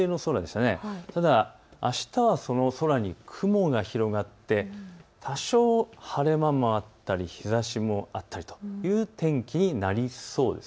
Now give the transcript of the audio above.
ただあしたはその空に雲が広がって多少、晴れ間もあったり日ざしもあったり、そういう天気になりそうです。